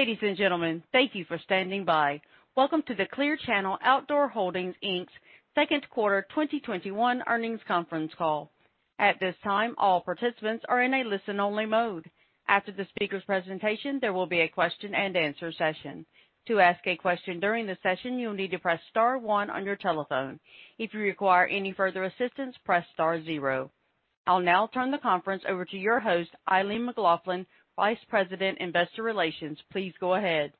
Ladies and gentlemen, thank you for standing by. Welcome to the Clear Channel Outdoor Holdings, Inc.'s Q2 2021 Earnings Conference Call. At this time, all participants are in a listen-only mode. After the speaker's presentation, there will be a question and answer session. To ask a question during the session, you will need to press star one on your telephone. If you require any further assistance, press star zero. I'll now turn the conference over to your host, Eileen McLaughlin, Vice President, Investor Relations. Please go ahead.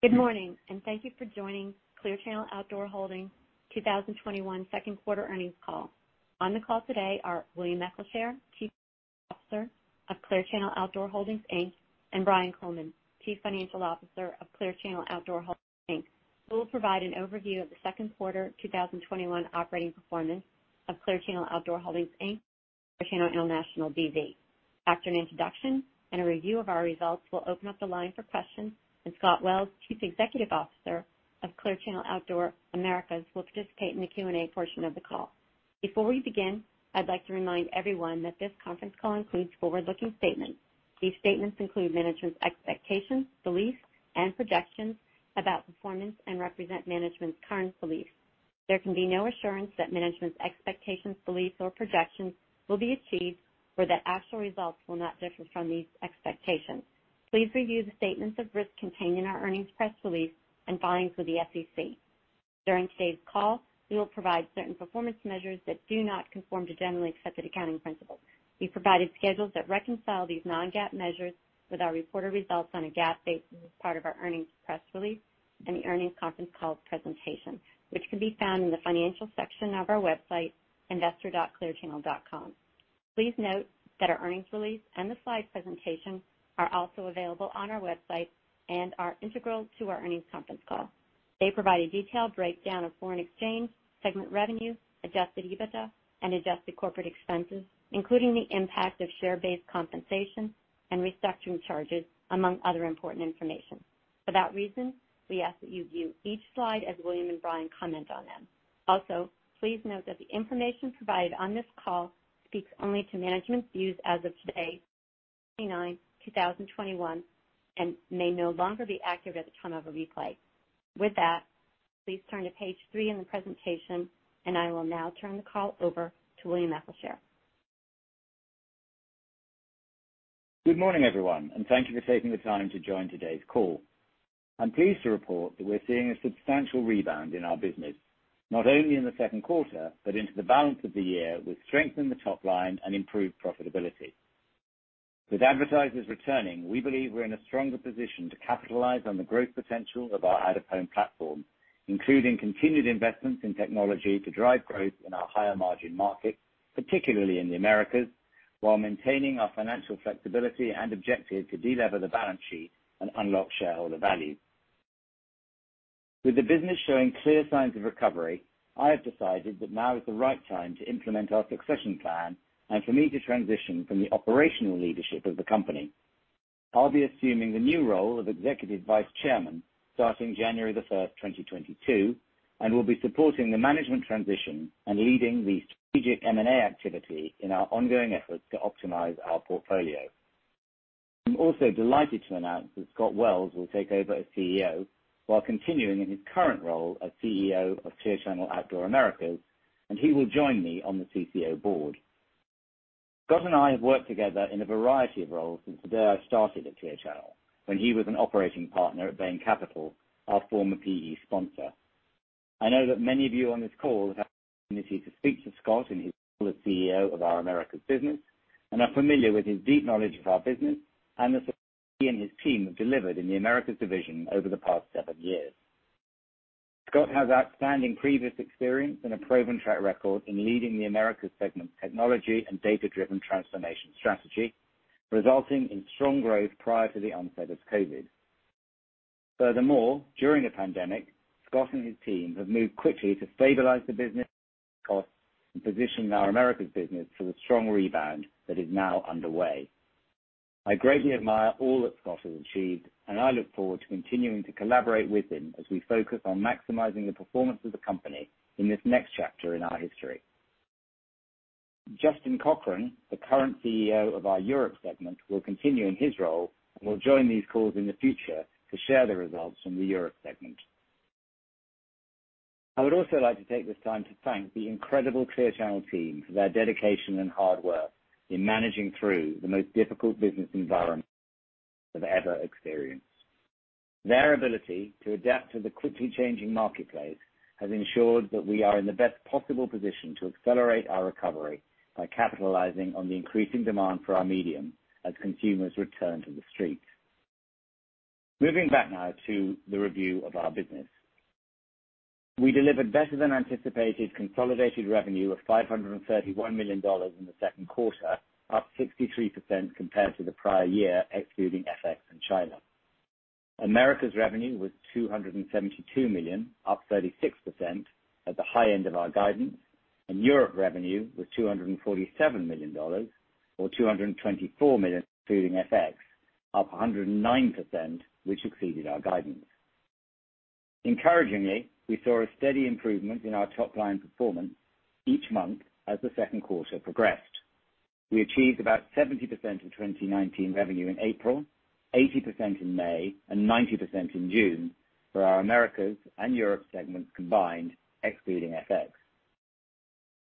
Good morning, and thank you for joining Clear Channel Outdoor Holdings 2021 Second Quarter Earnings Call. On the call today are William Eccleshare, Chief Executive Officer of Clear Channel Outdoor Holdings, Inc., and Brian Coleman, Chief Financial Officer of Clear Channel Outdoor Holdings, Inc., who will provide an overview of the second quarter 2021 operating performance of Clear Channel Outdoor Holdings, Inc., Clear Channel International B.V. After an introduction and a review of our results, we'll open up the line for questions. Scott Wells, Chief Executive Officer of Clear Channel Outdoor Americas, will participate in the Q&A portion of the call. Before we begin, I'd like to remind everyone that this conference call includes forward-looking statements. These statements include management's expectations, beliefs, and projections about performance and represent management's current beliefs. There can be no assurance that management's expectations, beliefs, or projections will be achieved, or that actual results will not differ from these expectations. Please review the statements of risk contained in our earnings press release and filings with the SEC. During today's call, we will provide certain performance measures that do not conform to generally accepted accounting principles. We've provided schedules that reconcile these non-GAAP measures with our reported results on a GAAP basis as part of our earnings press release and the earnings conference call presentation, which can be found in the financial section of our website, investor.clearchannel.com. Please note that our earnings release and the slide presentation are also available on our website and are integral to our earnings conference call. They provide a detailed breakdown of foreign exchange, segment revenue, Adjusted EBITDA, and adjusted corporate expenses, including the impact of share-based compensation and restructuring charges, among other important information. For that reason, we ask that you view each slide as William and Brian comment on them. Also, please note that the information provided on this call speaks only to management's views as of today, July 29, 2021, and may no longer be accurate at the time of a replay. With that, please turn to page three in the presentation, and I will now turn the call over to William Eccleshare. Good morning, everyone, and thank you for taking the time to join today's call. I'm pleased to report that we're seeing a substantial rebound in our business, not only in the second quarter, but into the balance of the year with strength in the top line and improved profitability. With advertisers returning, we believe we're in a stronger position to capitalize on the growth potential of our out-of-home platform, including continued investments in technology to drive growth in our higher margin markets, particularly in the Americas, while maintaining our financial flexibility and objective to de-lever the balance sheet and unlock shareholder value. With the business showing clear signs of recovery, I have decided that now is the right time to implement our succession plan and for me to transition from the operational leadership of the company. I'll be assuming the new role of Executive Vice Chairman starting January 1st, 2022 and will be supporting the management transition and leading the strategic M&A activity in our ongoing efforts to optimize our portfolio. I'm also delighted to announce that Scott Wells will take over as CEO while continuing in his current role as CEO of Clear Channel Outdoor Americas, and he will join me on the CCO board. Scott and I have worked together in a variety of roles since the day I started at Clear Channel, when he was an operating partner at Bain Capital, our former PE sponsor. I know that many of you on this call have had the opportunity to speak to Scott in his role as CEO of our Americas business and are familiar with his deep knowledge of our business and the success he and his team have delivered in the Americas division over the past seven years. Scott has outstanding previous experience and a proven track record in leading the Americas segment technology and data-driven transformation strategy, resulting in strong growth prior to the onset of COVID-19. Furthermore, during the pandemic, Scott and his team have moved quickly to stabilize the business costs and position our Americas business for the strong rebound that is now underway. I greatly admire all that Scott has achieved, and I look forward to continuing to collaborate with him as we focus on maximizing the performance of the company in this next chapter in our history. Justin Cochrane, the current CEO of our Europe Segment, will continue in his role and will join these calls in the future to share the results from the Europe Segment. I would also like to take this time to thank the incredible Clear Channel team for their dedication and hard work in managing through the most difficult business environment we've ever experienced. Their ability to adapt to the quickly changing marketplace has ensured that we are in the best possible position to accelerate our recovery by capitalizing on the increasing demand for our medium as consumers return to the streets. Moving back now to the review of our business. We delivered better than anticipated consolidated revenue of $531 million in the second quarter, up 63% compared to the prior year, excluding FX and China. Americas revenue was $272 million, up 36% at the high end of our guidance, and Europe revenue was $247 million, or $224 million excluding FX, up 109%, which exceeded our guidance. Encouragingly, we saw a steady improvement in our top-line performance each month as the second quarter progressed. We achieved about 70% of 2019 revenue in April, 80% in May, and 90% in June for our Americas and Europe segments combined, excluding FX.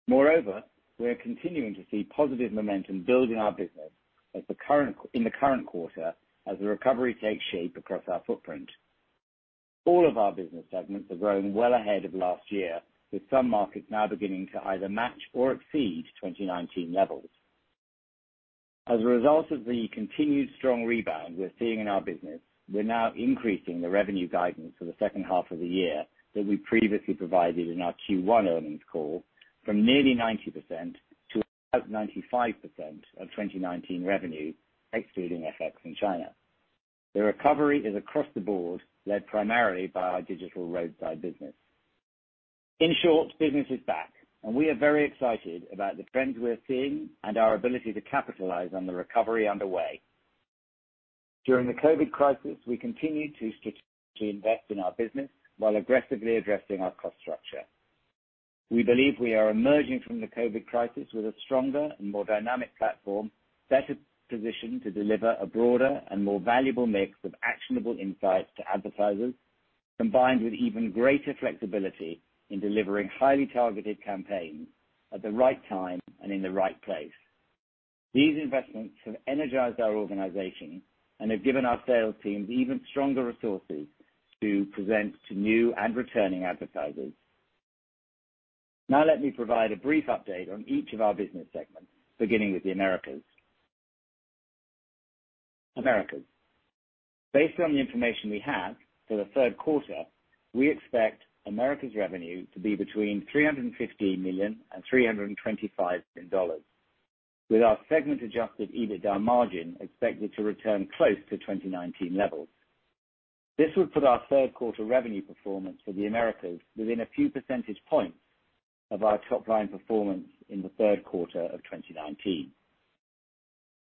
Moreover, we are continuing to see positive momentum building our business in the current quarter as the recovery takes shape across our footprint. All of our business segments are growing well ahead of last year, with some markets now beginning to either match or exceed 2019 levels. As a result of the continued strong rebound we're seeing in our business, we're now increasing the revenue guidance for the second half of the year that we previously provided in our Q1 earnings call from nearly 90% to about 95% of 2019 revenue, excluding FX in China. The recovery is across the board, led primarily by our digital roadside business. In short, business is back, and we are very excited about the trends we're seeing and our ability to capitalize on the recovery underway. During the COVID crisis, we continued to strategically invest in our business while aggressively addressing our cost structure. We believe we are emerging from the COVID crisis with a stronger and more dynamic platform, better positioned to deliver a broader and more valuable mix of actionable insights to advertisers, combined with even greater flexibility in delivering highly targeted campaigns at the right time and in the right place. These investments have energized our organization and have given our sales teams even stronger resources to present to new and returning advertisers. Now let me provide a brief update on each of our business segments, beginning with the Americas. Americas. Based on the information we have for the third quarter, we expect Americas revenue to be between $315 million and $325 million, with our segment Adjusted EBITDA margin expected to return close to 2019 levels. This would put our third quarter revenue performance for the Americas within a few percentage points of our top-line performance in the third quarter of 2019.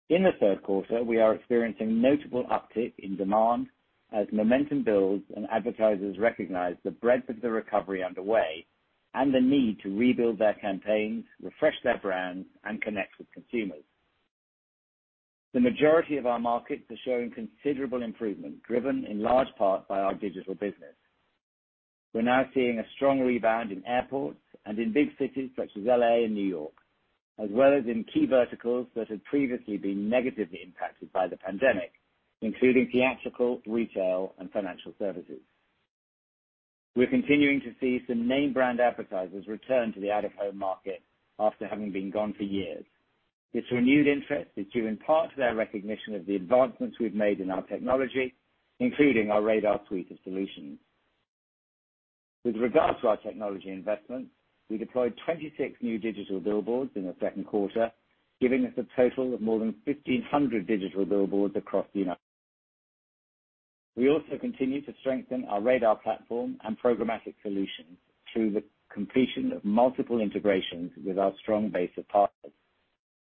In the third quarter, we are experiencing notable uptick in demand as momentum builds and advertisers recognize the breadth of the recovery underway and the need to rebuild their campaigns, refresh their brands, and connect with consumers. The majority of our markets are showing considerable improvement, driven in large part by our digital business. We're now seeing a strong rebound in airports and in big cities such as L.A. and New York, as well as in key verticals that had previously been negatively impacted by the pandemic, including theatrical, retail, and financial services. We're continuing to see some name brand advertisers return to the out-of-home market after having been gone for years. This renewed interest is due in part to their recognition of the advancements we've made in our technology, including our RADAR suite of solutions. With regard to our technology investments, we deployed 26 new digital billboards in the second quarter, giving us a total of more than 1,500 digital billboards across the United States. We also continue to strengthen our RADAR platform and programmatic solutions through the completion of multiple integrations with our strong base of partners.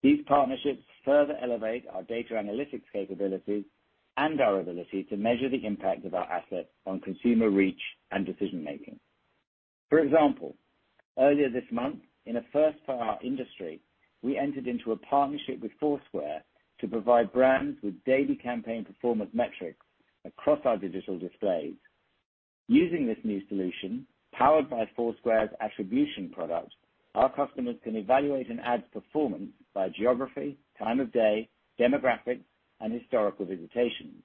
These partnerships further elevate our data analytics capabilities and our ability to measure the impact of our assets on consumer reach and decision making. For example, earlier this month, in a first for our industry, we entered into a partnership with Foursquare to provide brands with daily campaign performance metrics across our digital displays. Using this new solution, powered by Foursquare's attribution product, our customers can evaluate an ad's performance by geography, time of day, demographics, and historical visitations.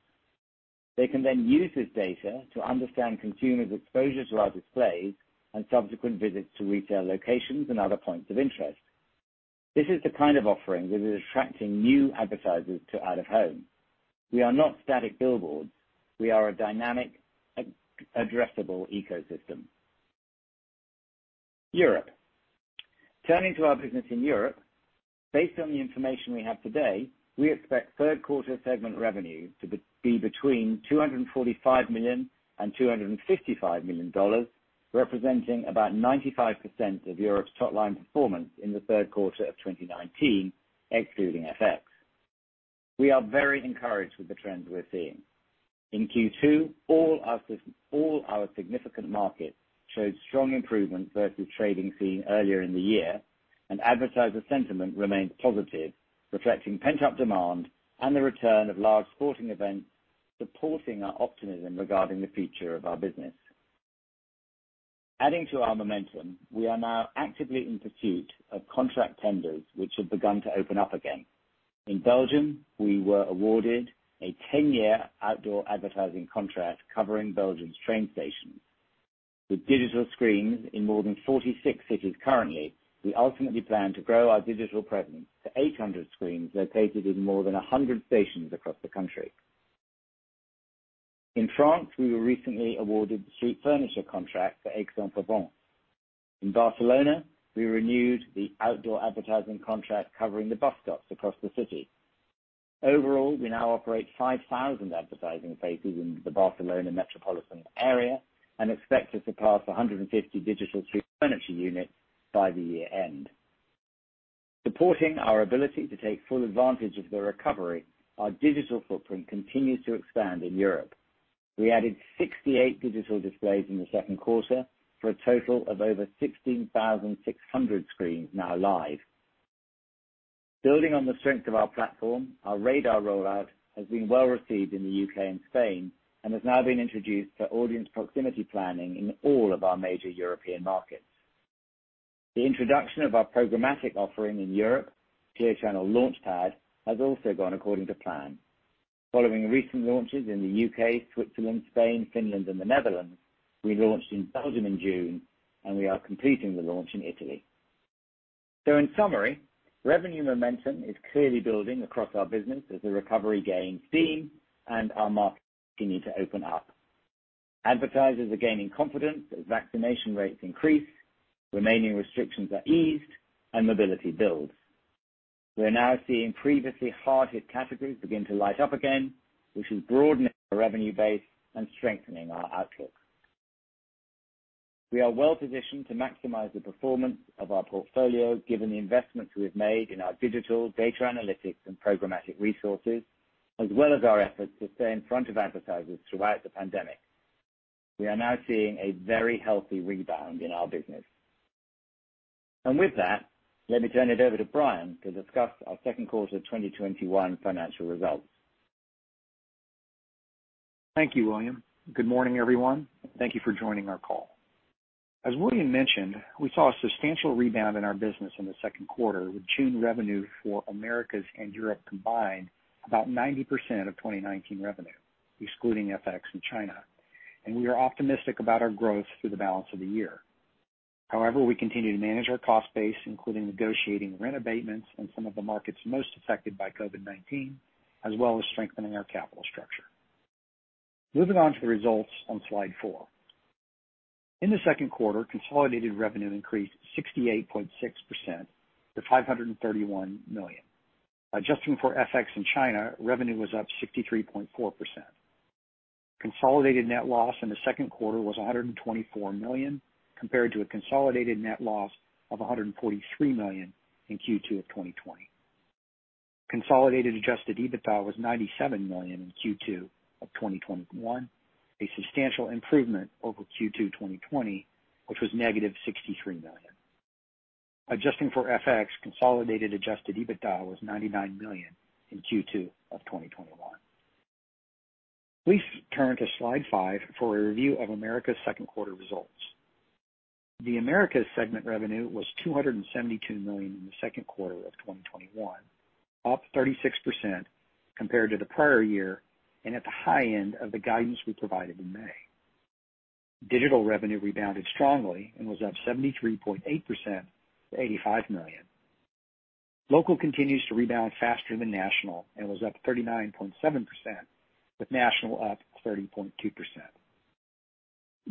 They can use this data to understand consumers' exposure to our displays and subsequent visits to retail locations and other points of interest. This is the kind of offering that is attracting new advertisers to out-of-home. We are not static billboards. We are a dynamic, addressable ecosystem. Europe. Turning to our business in Europe, based on the information we have today, we expect third quarter segment revenue to be between $245 million and $255 million, representing about 95% of Europe's top-line performance in the third quarter of 2019, excluding FX. We are very encouraged with the trends we're seeing. In Q2, all our significant markets showed strong improvement versus trading seen earlier in the year, and advertiser sentiment remains positive, reflecting pent-up demand and the return of large sporting events, supporting our optimism regarding the future of our business. Adding to our momentum, we are now actively in pursuit of contract tenders, which have begun to open up again. In Belgium, we were awarded a 10-year outdoor advertising contract covering Belgium's train stations. With digital screens in more than 46 cities currently, we ultimately plan to grow our digital presence to 800 screens located in more than 100 stations across the country. In France, we were recently awarded the street furniture contract for Aix-en-Provence. In Barcelona, we renewed the outdoor advertising contract covering the bus stops across the city. Overall, we now operate 5,000 advertising spaces in the Barcelona metropolitan area and expect to surpass 150 digital street furniture units by the year-end. Supporting our ability to take full advantage of the recovery, our digital footprint continues to expand in Europe. We added 68 digital displays in the second quarter for a total of over 16,600 screens now live. Building on the strength of our platform, our RADAR rollout has been well-received in the U.K. and Spain, and has now been introduced to audience proximity planning in all of our major European markets. The introduction of our programmatic offering in Europe, Clear Channel LaunchPAD, has also gone according to plan. Following recent launches in the U.K., Switzerland, Spain, Finland, and the Netherlands, we launched in Belgium in June, and we are completing the launch in Italy. In summary, revenue momentum is clearly building across our business as the recovery gains steam and our markets continue to open up. Advertisers are gaining confidence as vaccination rates increase, remaining restrictions are eased, and mobility builds. We're now seeing previously hard-hit categories begin to light up again, which is broadening our revenue base and strengthening our outlook. We are well-positioned to maximize the performance of our portfolio, given the investments we have made in our digital, data analytics, and programmatic resources, as well as our efforts to stay in front of advertisers throughout the pandemic. We are now seeing a very healthy rebound in our business. With that, let me turn it over to Brian to discuss our second quarter 2021 financial results. Thank you, William. Good morning, everyone. Thank you for joining our call. As William mentioned, we saw a substantial rebound in our business in the second quarter, with June revenue for Americas and Europe combined about 90% of 2019 revenue, excluding FX and China. We are optimistic about our growth through the balance of the year. However, we continue to manage our cost base, including negotiating rent abatements in some of the markets most affected by COVID-19, as well as strengthening our capital structure. Moving on to the results on slide four. In the second quarter, consolidated revenue increased 68.6% to $531 million. Adjusting for FX in China, revenue was up 63.4%. Consolidated net loss in the second quarter was $124 million, compared to a consolidated net loss of $143 million in Q2 of 2020. Consolidated Adjusted EBITDA was $97 million in Q2 of 2021, a substantial improvement over Q2 2020, which was negative $63 million. Adjusting for FX, consolidated adjusted EBITDA was $99 million in Q2 of 2021. Please turn to slide five for a review of Americas second quarter results. The Americas segment revenue was $272 million in the second quarter of 2021, up 36% compared to the prior year, and at the high end of the guidance we provided in May. Digital revenue rebounded strongly and was up 73.8% to $85 million. Local continues to rebound faster than national and was up 39.7%, with national up 30.2%.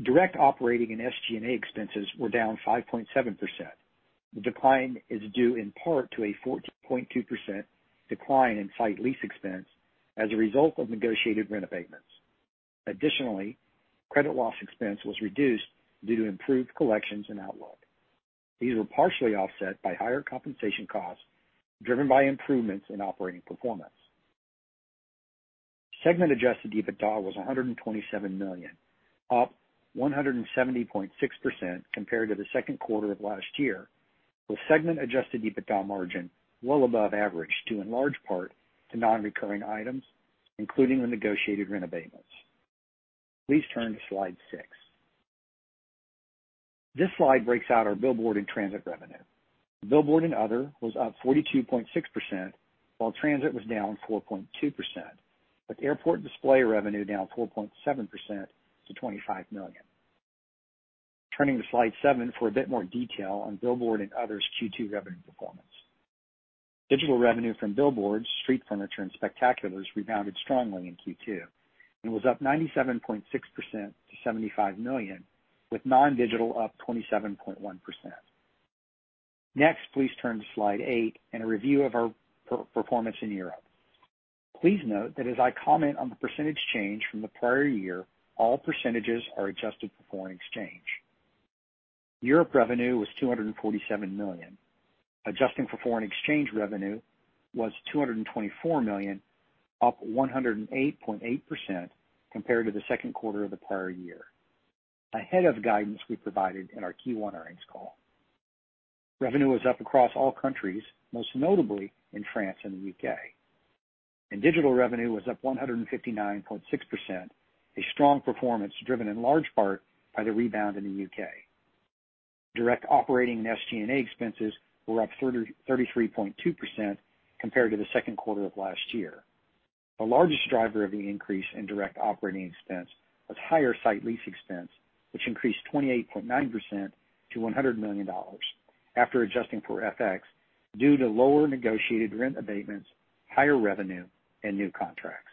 Direct operating and SG&A expenses were down 5.7%. The decline is due in part to a 14.2% decline in site lease expense as a result of negotiated rent abatements. Additionally, credit loss expense was reduced due to improved collections and outlook. These were partially offset by higher compensation costs driven by improvements in operating performance. Segment Adjusted EBITDA was $127 million, up 170.6% compared to the second quarter of last year, with segment Adjusted EBITDA margin well above average due in large part to non-recurring items, including the negotiated rent abatements. Please turn to slide six. This slide breaks out our billboard and transit revenue. Billboard and other was up 42.6%, while transit was down 4.2%, with airport display revenue down 4.7% to $25 million. Turning to slide seven for a bit more detail on billboard and others' Q2 revenue performance. Digital revenue from billboards, street furniture, and spectaculars rebounded strongly in Q2, and was up 97.6% to $75 million, with non-digital up 27.1%. Please turn to slide eight and a review of our performance in Europe. Please note that as I comment on the percentage change from the prior year, all percentages are adjusted for foreign exchange. Europe revenue was $247 million. Adjusting for foreign exchange revenue was $224 million, up 108.8% compared to the second quarter of the prior year, ahead of guidance we provided in our Q1 earnings call. Revenue was up across all countries, most notably in France and the U.K. Digital revenue was up 159.6%, a strong performance driven in large part by the rebound in the U.K. Direct operating and SG&A expenses were up 33.2% compared to the second quarter of last year. The largest driver of the increase in direct operating expense was higher site lease expense, which increased 28.9% to $100 million after adjusting for FX due to lower negotiated rent abatements, higher revenue, and new contracts.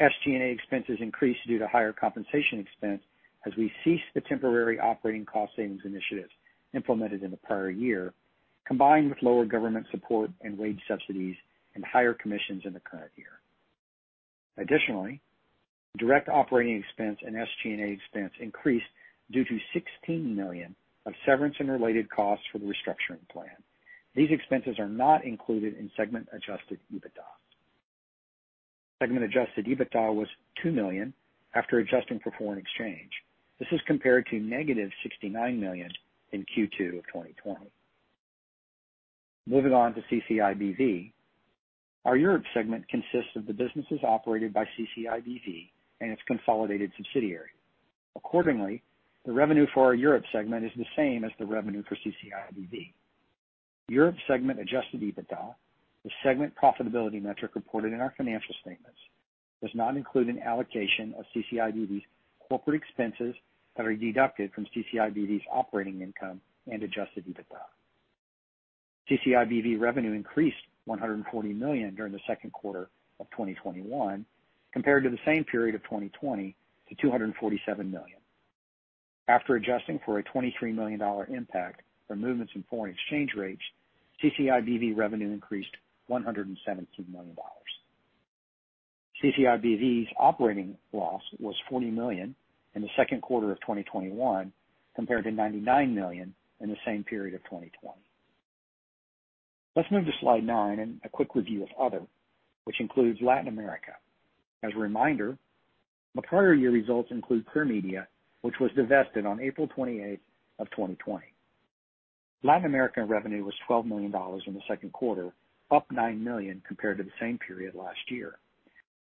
SG&A expenses increased due to higher compensation expense as we ceased the temporary operating cost savings initiatives implemented in the prior year, combined with lower government support and wage subsidies and higher commissions in the current year. Additionally, direct operating expense and SG&A expense increased due to $16 million of severance and related costs for the restructuring plan. These expenses are not included in segment Adjusted EBITDA. Segment Adjusted EBITDA was $2 million after adjusting for foreign exchange. This is compared to negative $69 million in Q2 of 2020. Moving on to CCIBV. Our Europe segment consists of the businesses operated by CCIBV and its consolidated subsidiary. Accordingly, the revenue for our Europe segment is the same as the revenue for CCIBV. Europe segment Adjusted EBITDA, the segment profitability metric reported in our financial statements, does not include an allocation of CCIBV's corporate expenses that are deducted from CCIBV's operating income and Adjusted EBITDA. CCIBV revenue increased $140 million during the second quarter of 2021, compared to the same period of 2020 to $247 million. After adjusting for a $23 million impact from movements in foreign exchange rates, CCIBV revenue increased $117 million. CCIBV's operating loss was $40 million in the second quarter of 2021, compared to $99 million in the same period of 2020. Let's move to slide nine and a quick review of other, which includes Latin America. As a reminder, the prior year results include Clear Media, which was divested on April 28th of 2020. Latin American revenue was $12 million in the second quarter, up $9 million compared to the same period last year.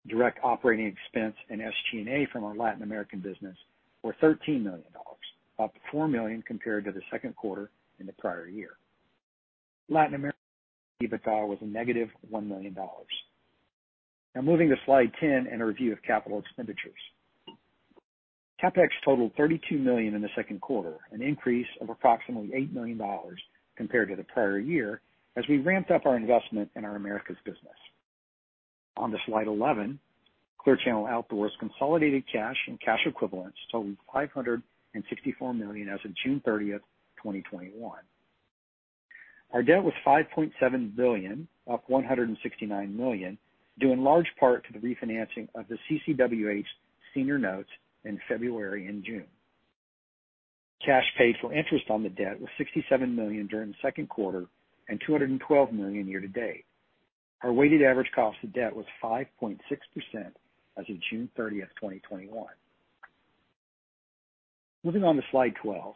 Direct operating expense and SG&A from our Latin American business were $13 million, up $4 million compared to the second quarter in the prior year. Latin American EBITDA was a negative $1 million. Moving to slide 10 and a review of capital expenditures. CapEx totaled $32 million in the second quarter, an increase of approximately $8 million compared to the prior year as we ramped up our investment in our Americas business. On to slide 11, Clear Channel Outdoor's consolidated cash and cash equivalents totaled $564 million as of June 30, 2021. Our debt was $5.7 billion, up $169 million, due in large part to the refinancing of the CCWH senior notes in February and June. Cash paid for interest on the debt was $67 million during the second quarter and $212 million year-to-date. Our weighted average cost of debt was 5.6% as of June 30th, 2021. Moving on to slide 12.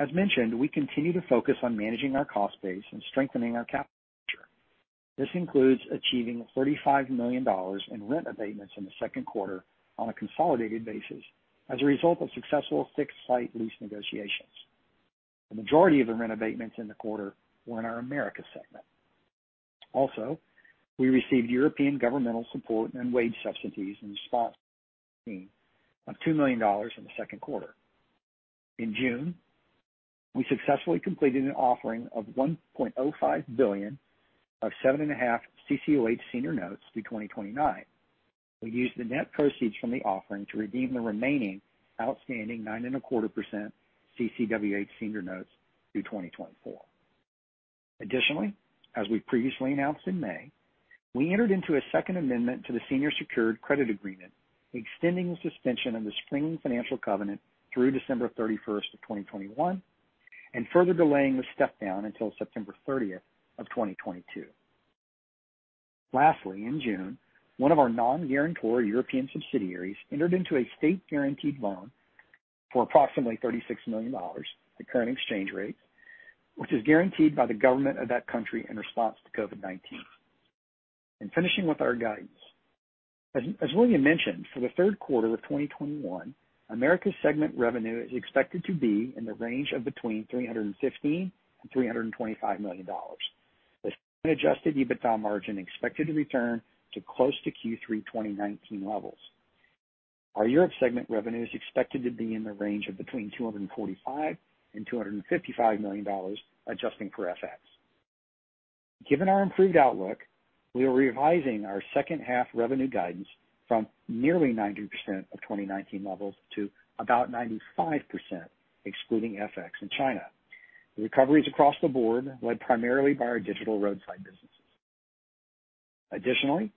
As mentioned, we continue to focus on managing our cost base and strengthening our capital structure. This includes achieving $35 million in rent abatements in the second quarter on a consolidated basis as a result of successful six site lease negotiations. The majority of the rent abatements in the quarter were in our Americas segment. Also, we received European governmental support and wage subsidies in response to COVID-19 of $2 million in the second quarter. In June, we successfully completed an offering of $1.05 billion of 7.5 CCOH senior notes through 2029. We used the net proceeds from the offering to redeem the remaining outstanding 9.25% CCWH senior notes through 2024. Additionally, as we previously announced in May, we entered into a second amendment to the senior secured credit agreement, extending the suspension of the springing financial covenant through December 31st of 2021 and further delaying the step down until September 30th of 2022. Lastly, in June, one of our non-guarantor European subsidiaries entered into a state-guaranteed loan for approximately $36 million at current exchange rates, which is guaranteed by the government of that country in response to COVID-19. Finishing with our guidance. As William mentioned, for the third quarter of 2021, Americas segment revenue is expected to be in the range of between $315 million and $325 million, with segment Adjusted EBITDA margin expected to return to close to Q3 2019 levels. Our Europe segment revenue is expected to be in the range of between $245 million and $255 million, adjusting for FX. Given our improved outlook, we are revising our second half revenue guidance from nearly 90% of 2019 levels to about 95%, excluding FX and China. The recovery is across the board, led primarily by our digital roadside businesses. Additionally,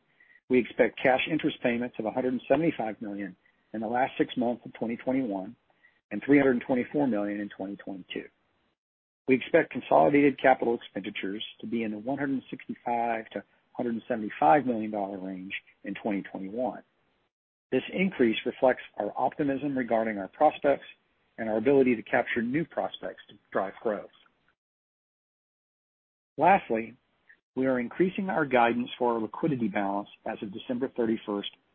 we expect cash interest payments of $175 million in the last six months of 2021 and $324 million in 2022. We expect consolidated capital expenditures to be in the $165 million-$175 million range in 2021. This increase reflects our optimism regarding our prospects and our ability to capture new prospects to drive growth. Lastly, we are increasing our guidance for our liquidity balance as of December 31st,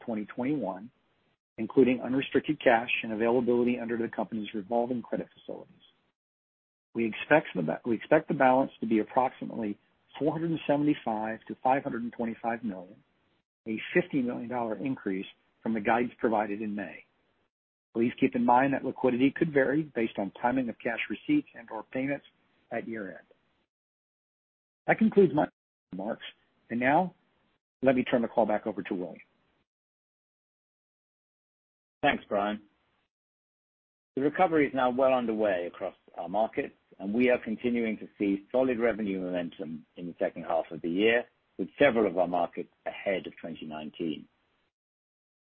2021, including unrestricted cash and availability under the company's revolving credit facilities. We expect the balance to be approximately $475 million-$525 million, a $50 million increase from the guidance provided in May. Please keep in mind that liquidity could vary based on timing of cash receipts and/or payments at year-end. That concludes my remarks. Now, let me turn the call back over to William. Thanks, Brian. The recovery is now well underway across our markets, and we are continuing to see solid revenue momentum in the second half of the year, with several of our markets ahead of 2019.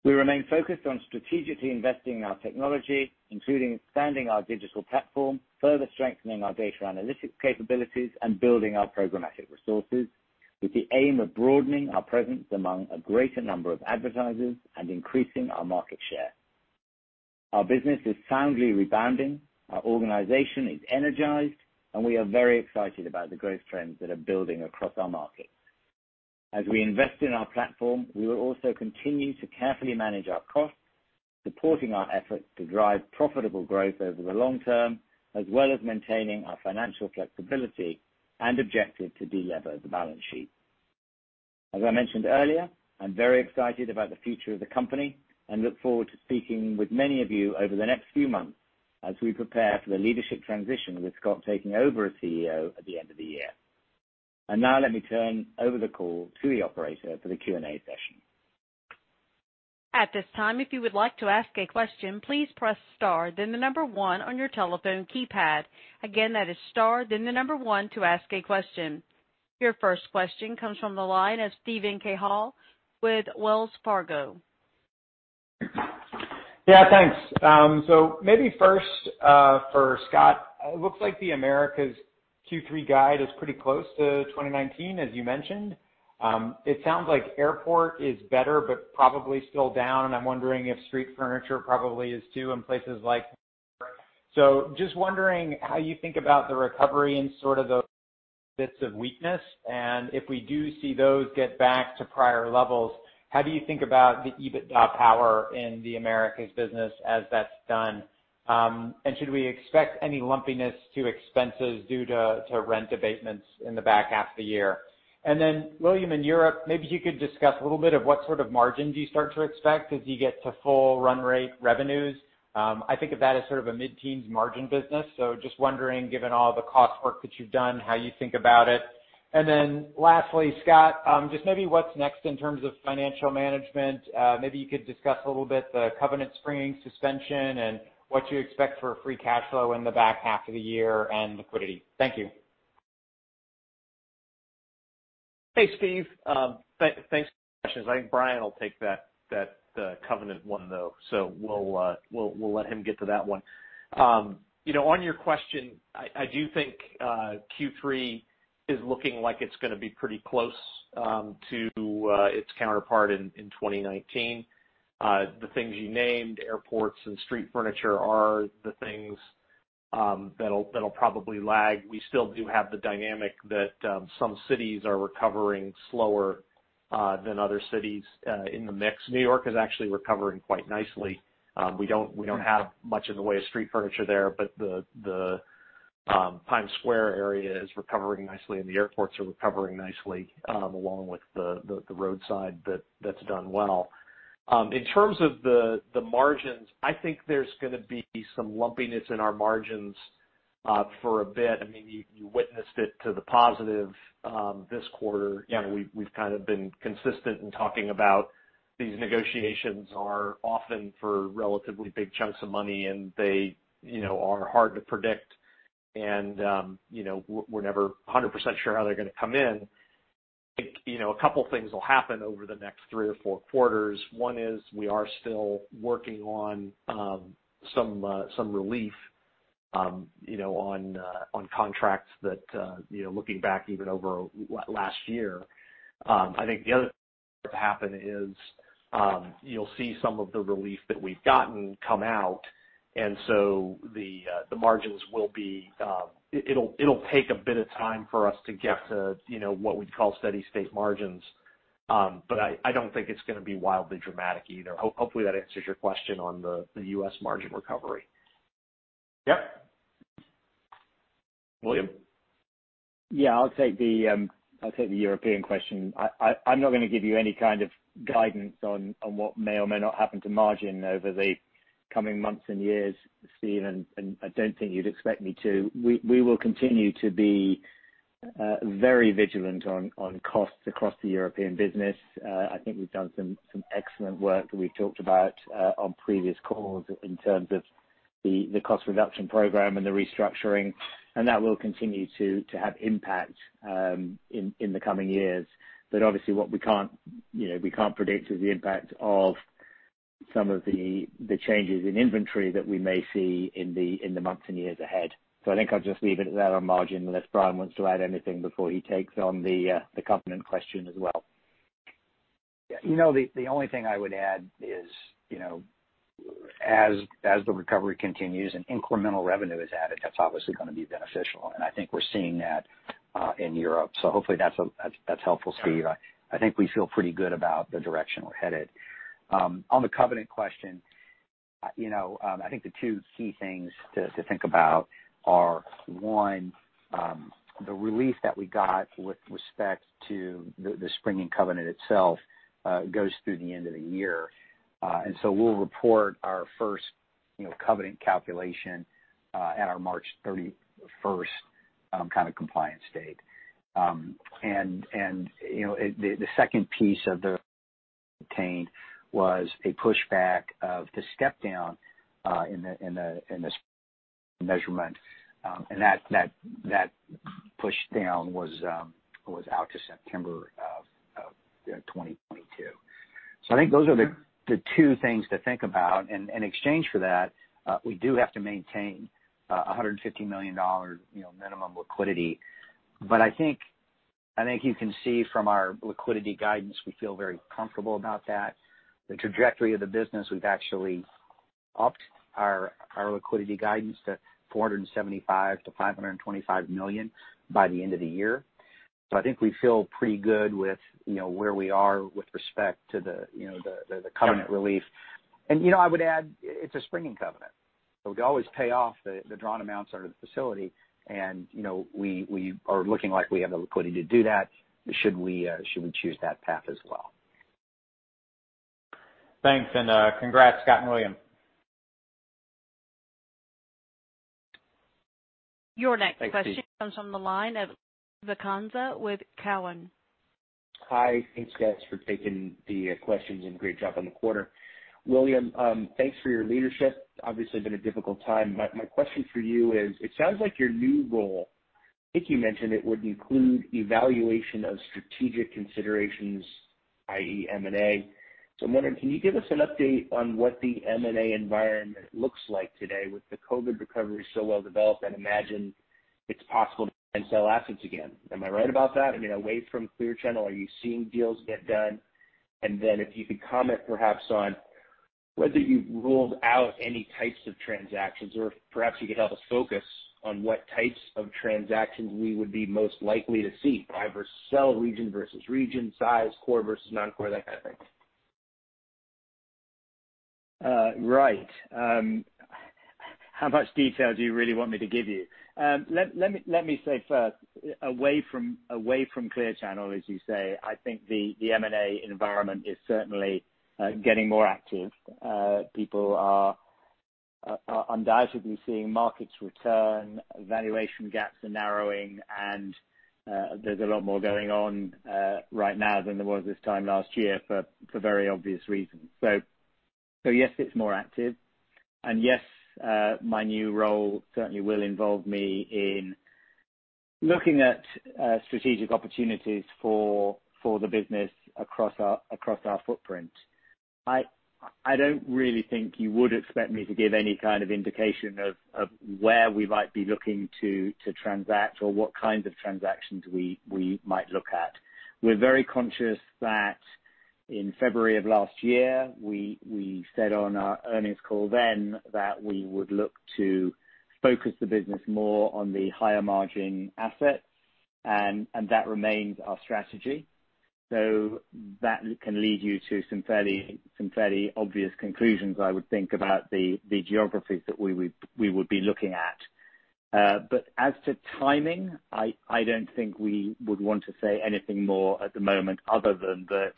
We remain focused on strategically investing in our technology, including expanding our digital platform, further strengthening our data analytics capabilities, and building our programmatic resources, with the aim of broadening our presence among a greater number of advertisers and increasing our market share. Our business is soundly rebounding, our organization is energized, and we are very excited about the growth trends that are building across our markets. As we invest in our platform, we will also continue to carefully manage our costs, supporting our efforts to drive profitable growth over the long term, as well as maintaining our financial flexibility and objective to de-lever the balance sheet. As I mentioned earlier, I'm very excited about the future of the company and look forward to speaking with many of you over the next few months as we prepare for the leadership transition with Scott taking over as CEO at the end of the year. Now let me turn over the call to the operator for the Q&A session. At this time, if you would like to ask a question, please press star then the number one on your telephone keypad. Again, that is star, then the number one to ask a question. Your first question comes from the line of Steven Cahall with Wells Fargo. Yeah, thanks. Maybe first for Scott, it looks like the Americas Q3 guide is pretty close to 2019, as you mentioned. It sounds like airport is better, but probably still down, and I'm wondering if street furniture probably is too in places like New York. Just wondering how you think about the recovery in sort of those bits of weakness. If we do see those get back to prior levels, how do you think about the EBITDA power in the Americas business as that's done? Should we expect any lumpiness to expenses due to rent abatements in the back half of the year? Then William, in Europe, maybe you could discuss a little bit of what sort of margins you start to expect as you get to full run rate revenues. I think of that as sort of a mid-teens margin business. Just wondering, given all the cost work that you've done, how you think about it. Lastly, Scott, just maybe what's next in terms of financial management. Maybe you could discuss a little bit the covenant springing suspension and what you expect for free cash flow in the back half of the year and liquidity. Thank you. Hey, Steve. Thanks for the questions. I think Brian will take that covenant one, though. We'll let him get to that one. On your question, I do think Q3 is looking like it's going to be pretty close to its counterpart in 2019. The things you named, airports and street furniture, are the things that'll probably lag. We still do have the dynamic that some cities are recovering slower than other cities in the mix. New York is actually recovering quite nicely. We don't have much in the way of street furniture there, but the Times Square area is recovering nicely, and the airports are recovering nicely, along with the roadside that's done well. In terms of the margins, I think there's going to be some lumpiness in our margins for a bit. You witnessed it to the positive this quarter. We've kind of been consistent in talking about these negotiations are often for relatively big chunks of money, and they are hard to predict. We're never 100% sure how they're going to come in. I think a couple of things will happen over the next three or four quarters. One is we are still working on some relief on contracts that looking back even over last year. I think the other thing to happen is you'll see some of the relief that we've gotten come out, the margins will be. It'll take a bit of time for us to get to what we'd call steady state margins. I don't think it's going to be wildly dramatic either. Hopefully, that answers your question on the U.S. margin recovery. Yep. William? Yeah, I'll take the European question. I'm not going to give you any kind of guidance on what may or may not happen to margin over the coming months and years, Steve, I don't think you'd expect me to. We will continue to be very vigilant on costs across the European business. I think we've done some excellent work that we've talked about on previous calls in terms of the cost reduction program and the restructuring. That will continue to have impact in the coming years. Obviously, what we can't predict is the impact of some of the changes in inventory that we may see in the months and years ahead. I think I'll just leave it at that on margin, unless Brian wants to add anything before he takes on the covenant question as well. Yeah. The only thing I would add is, as the recovery continues and incremental revenue is added, that's obviously going to be beneficial. I think we're seeing that in Europe. Hopefully that's helpful, Steve. I think we feel pretty good about the direction we're headed. On the covenant question, I think the two key things to think about are, one, the relief that we got with respect to the springing covenant itself goes through the end of the year. We'll report our first covenant calculation at our March 31st Kind of compliance date. The second piece of the obtained was a pushback of the step-down in the measurement. That pushdown was out to September of 2022. I think those are the two things to think about. In exchange for that, we do have to maintain $150 million minimum liquidity. I think you can see from our liquidity guidance, we feel very comfortable about that. The trajectory of the business, we've actually upped our liquidity guidance to $475 million-$525 million by the end of the year. I think we feel pretty good with where we are with respect to the covenant relief. I would add, it's a springing covenant. We could always pay off the drawn amounts out of the facility, and we are looking like we have the liquidity to do that should we choose that path as well. Thanks, and congrats, Scott and William. Your next question comes from the line of Lance Vitanza with Cowen. Hi. Thanks, guys, for taking the questions, and great job on the quarter. William, thanks for your leadership. Obviously, it's been a difficult time. My question for you is, it sounds like your new role, I think you mentioned it would include evaluation of strategic considerations, i.e., M&A. I'm wondering, can you give us an update on what the M&A environment looks like today with the COVID-19 recovery so well-developed? I'd imagine it's possible to buy and sell assets again. Am I right about that? Away from Clear Channel, are you seeing deals get done? If you could comment perhaps on whether you've ruled out any types of transactions, or perhaps you could help us focus on what types of transactions we would be most likely to see, buy versus sell, region versus region, size, core versus non-core, that kind of thing. Right. How much detail do you really want me to give you? Let me say first, away from Clear Channel, as you say, I think the M&A environment is certainly getting more active. People are undoubtedly seeing markets return, valuation gaps are narrowing, There's a lot more going on right now than there was this time last year for very obvious reasons. Yes, it's more active. Yes, my new role certainly will involve me in looking at strategic opportunities for the business across our footprint. I don't really think you would expect me to give any kind of indication of where we might be looking to transact or what kinds of transactions we might look at. We're very conscious that in February of last year, we said on our earnings call then that we would look to focus the business more on the higher margin assets. That remains our strategy. That can lead you to some fairly obvious conclusions, I would think, about the geographies that we would be looking at. As to timing, I don't think we would want to say anything more at the moment other than that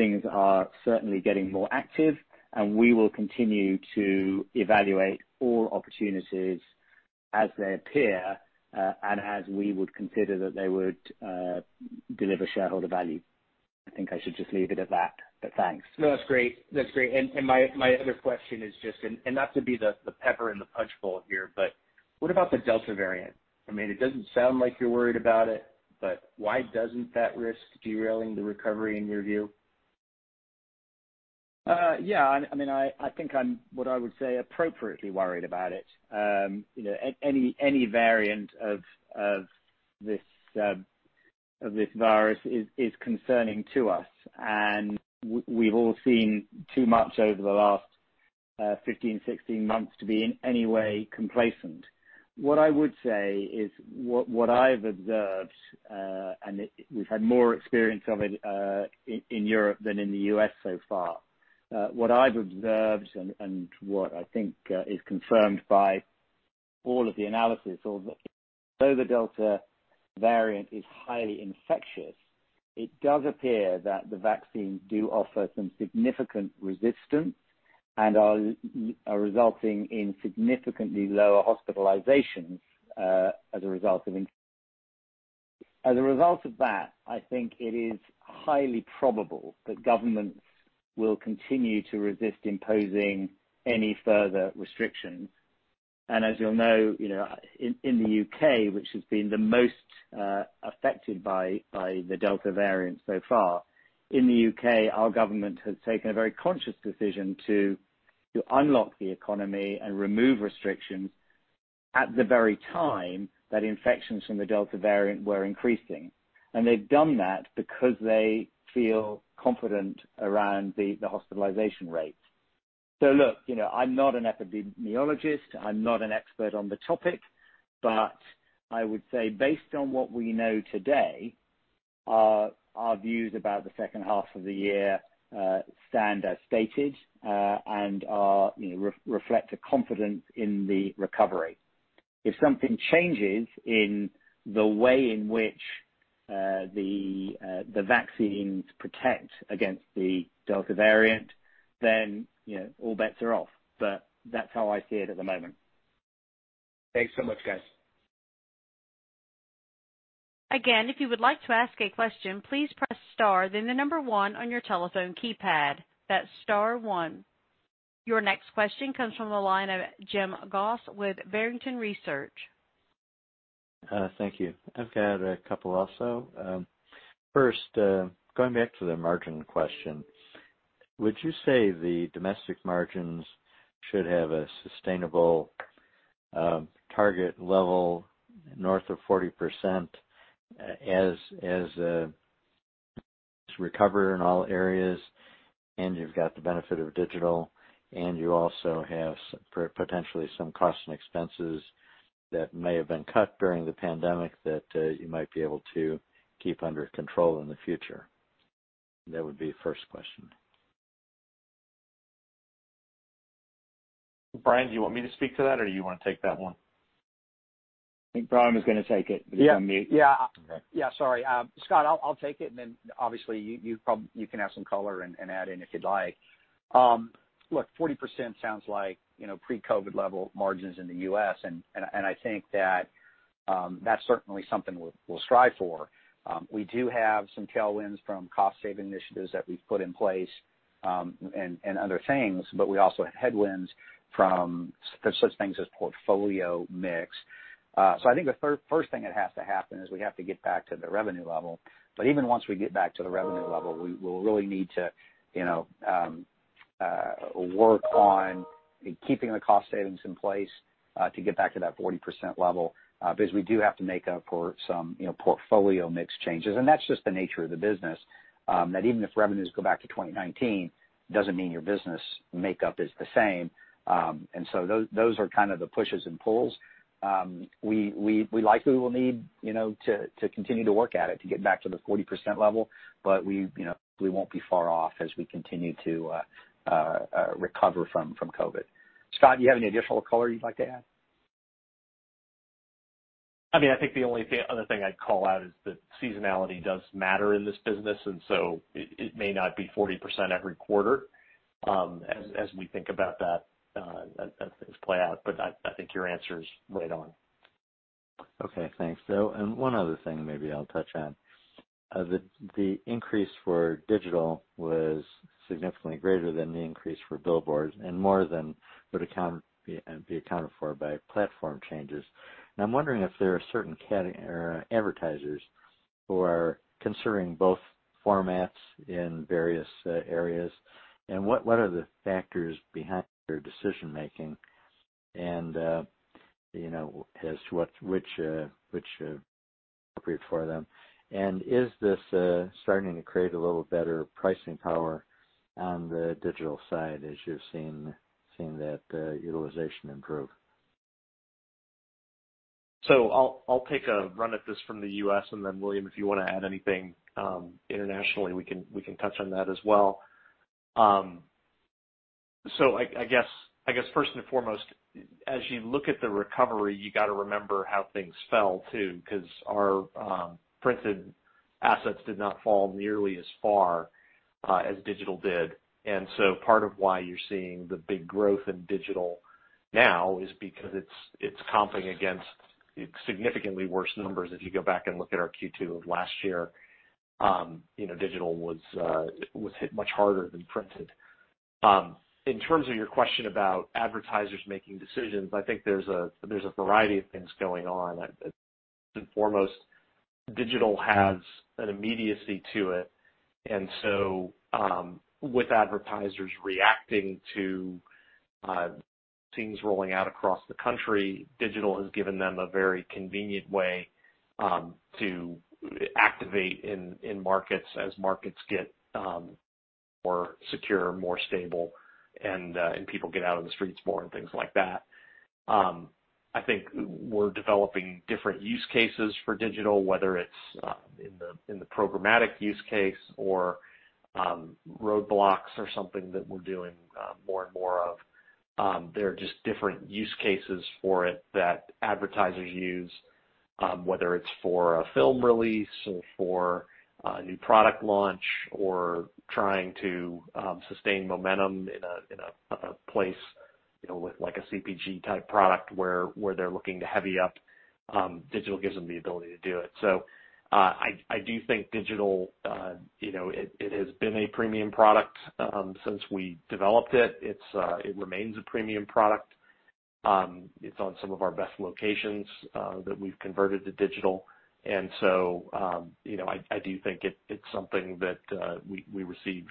things are certainly getting more active. We will continue to evaluate all opportunities as they appear, as we would consider that they would deliver shareholder value. I think I should just leave it at that. Thanks. No, that's great. My other question is just, and not to be the pepper in the punch bowl here, but what about the Delta variant? It doesn't sound like you're worried about it, but why doesn't that risk derailing the recovery in your view? Yeah. I think I'm, what I would say, appropriately worried about it. Any variant of this virus is concerning to us, and we've all seen too much over the last 15, 16 months to be in any way complacent. What I would say is what I've observed, and we've had more experience of it in Europe than in the U.S. so far. What I've observed and what I think is confirmed by all of the analysis, although the Delta variant is highly infectious, it does appear that the vaccines do offer some significant resistance and are resulting in significantly lower hospitalizations as a result of. As a result of that, I think it is highly probable that governments will continue to resist imposing any further restrictions. And as you'll know in the U.K., which has been the most affected by the Delta variant so far. In the U.K., our government has taken a very conscious decision to unlock the economy and remove restrictions at the very time that infections from the Delta variant were increasing. And they've done that because they feel confident around the hospitalization rate. So look, I'm not an epidemiologist. I'm not an expert on the topic. But I would say, based on what we know today, our views about the second half of the year stand as stated and reflect a confidence in the recovery. If something changes in the way in which the vaccines protect against the Delta variant, then all bets are off. But that's how I see it at the moment. Thanks so much, guys. Again, if you would like to ask a question, please press star, then the number one on your telephone keypad. That's star one. Your next question comes from the line of Jim Goss with Barrington Research. Thank you. I've got a couple also. First, going back to the margin question, would you say the domestic margins should have a sustainable target level north of 40% as recovery in all areas, and you've got the benefit of digital, and you also have potentially some costs and expenses that may have been cut during the pandemic that you might be able to keep under control in the future? That would be the first question. Brian, do you want me to speak to that or do you want to take that one? I think Brian was going to take it, but he's on mute. Yeah. Sorry. Scott, I'll take it. Obviously, you can have some color and add in if you'd like. Look, 40% sounds like pre-COVID level margins in the U.S. I think that's certainly something we'll strive for. We do have some tailwinds from cost-saving initiatives that we've put in place, and other things. We also have headwinds from such things as portfolio mix. I think the first thing that has to happen is we have to get back to the revenue level. Even once we get back to the revenue level, we will really need to work on keeping the cost savings in place to get back to that 40% level because we do have to make up for some portfolio mix changes. That's just the nature of the business, that even if revenues go back to 2019, doesn't mean your business makeup is the same. Those are kind of the pushes and pulls. We likely will need to continue to work at it to get back to the 40% level, but we won't be far off as we continue to recover from COVID. Scott, do you have any additional color you'd like to add? I think the only other thing I'd call out is that seasonality does matter in this business. It may not be 40% every quarter as we think about that as things play out. I think your answer's right on. Okay, thanks. One other thing maybe I'll touch on. The increase for digital was significantly greater than the increase for billboards and more than would be accounted for by platform changes. I'm wondering if there are certain advertisers who are considering both formats in various areas, and what are the factors behind their decision-making and as to which are appropriate for them? Is this starting to create a little better pricing power on the digital side as you're seeing that utilization improve? I'll take a run at this from the U.S. and then William, if you want to add anything internationally, we can touch on that as well. I guess first and foremost, as you look at the recovery, you got to remember how things fell, too, because our printed assets did not fall nearly as far as digital did. Part of why you're seeing the big growth in digital now is because it's comping against significantly worse numbers. If you go back and look at our Q2 of last year, digital was hit much harder than printed. In terms of your question about advertisers making decisions, I think there's a variety of things going on. First and foremost, digital has an immediacy to it, and so with advertisers reacting to things rolling out across the country, digital has given them a very convenient way to activate in markets as markets get more secure, more stable, and people get out on the streets more and things like that. I think we're developing different use cases for digital, whether it's in the programmatic use case or roadblocks or something that we're doing more and more of. There are just different use cases for it that advertisers use, whether it's for a film release or for a new product launch or trying to sustain momentum in a place with a CPG type product where they're looking to heavy up. Digital gives them the ability to do it. I do think digital, it has been a premium product since we developed it. It remains a premium product. It's on some of our best locations that we've converted to digital. I do think it's something that we receive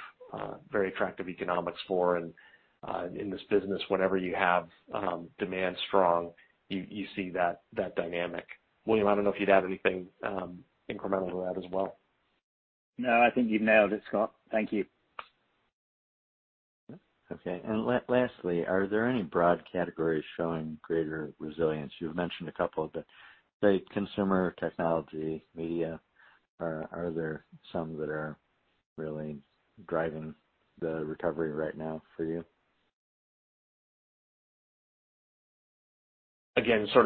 very attractive economics for. In this business, whenever you have demand strong, you see that dynamic. William, I don't know if you'd add anything incremental to that as well. No, I think you've nailed it, Scott. Thank you. Okay. Lastly, are there any broad categories showing greater resilience? You've mentioned a couple, but say consumer technology, media, are there some that are really driving the recovery right now for you?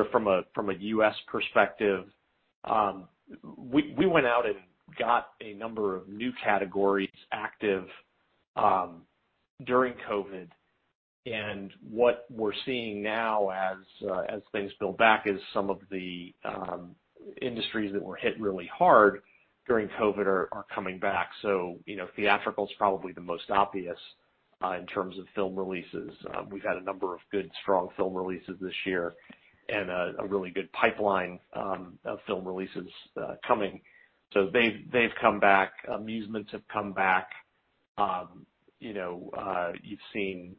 From a U.S. perspective, we went out and got a number of new categories active during COVID. What we're seeing now as things build back is some of the industries that were hit really hard during COVID are coming back. Theatrical's probably the most obvious in terms of film releases. We've had a number of good, strong film releases this year and a really good pipeline of film releases coming. They've come back. Amusements have come back. You've seen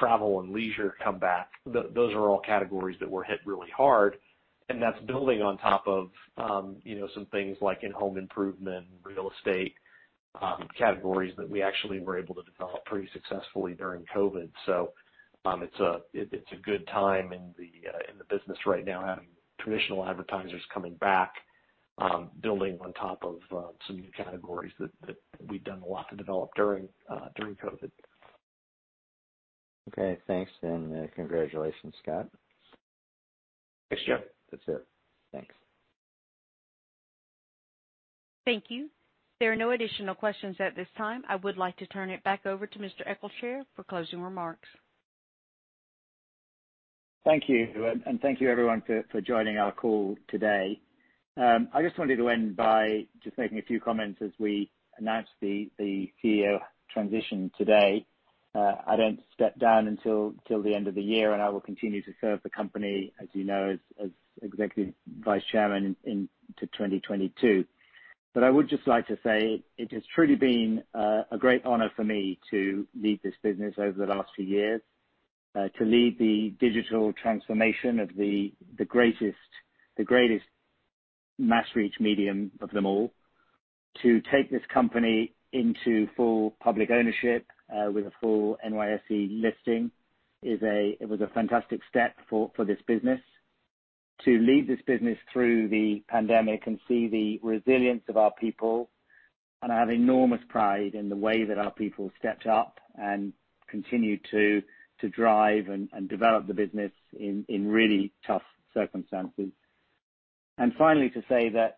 travel and leisure come back. Those are all categories that were hit really hard, and that's building on top of some things like in-home improvement and real estate, categories that we actually were able to develop pretty successfully during COVID. It's a good time in the business right now, having traditional advertisers coming back, building on top of some new categories that we've done a lot to develop during COVID. Okay, thanks, congratulations, Scott. Thanks, Jim. That's it. Thanks. Thank you. There are no additional questions at this time. I would like to turn it back over to Mr. Eccleshare for closing remarks. Thank you, and thank you everyone for joining our call today. I just wanted to end by just making a few comments as we announce the CEO transition today. I don't step down until the end of the year, and I will continue to serve the company, as you know, as Executive Vice Chairman into 2022. I would just like to say it has truly been a great honor for me to lead this business over the last few years, to lead the digital transformation of the greatest mass reach medium of them all. To take this company into full public ownership with a full NYSE listing, it was a fantastic step for this business. To lead this business through the pandemic and see the resilience of our people, I have enormous pride in the way that our people stepped up and continue to drive and develop the business in really tough circumstances. Finally, to say that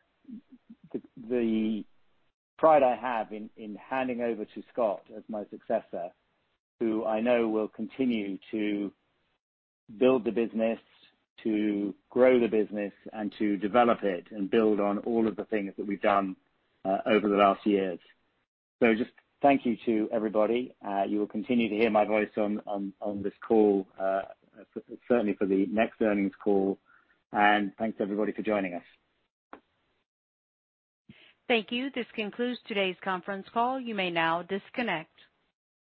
the pride I have in handing over to Scott as my successor, who I know will continue to build the business, to grow the business, and to develop it and build on all of the things that we've done over the last years. Just thank you to everybody. You will continue to hear my voice on this call, certainly for the next earnings call. Thanks everybody for joining us. Thank you. This concludes today's conference call. You may now disconnect.